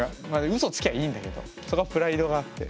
うそつきゃいいんだけどそこはプライドがあって。